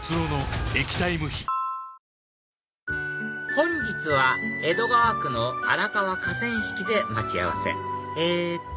本日は江戸川区の荒川河川敷で待ち合わせえっと